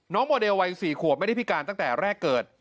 โมเดลวัย๔ขวบไม่ได้พิการตั้งแต่แรกเกิด